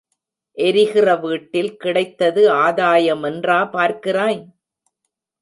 எரிகிற வீட்டில் கிடைத்தது ஆதாயமென்றா பார்க்கிறாய்?